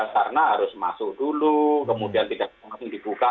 karena harus masuk dulu kemudian tidak masing masing dibuka